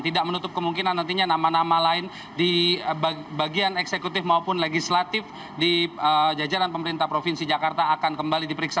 tidak menutup kemungkinan nantinya nama nama lain di bagian eksekutif maupun legislatif di jajaran pemerintah provinsi jakarta akan kembali diperiksa